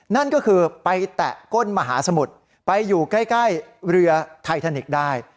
นั่นก็คือไปแตะก้นมหาสมุทรไปอยู่ใกล้เรือไททานิกได้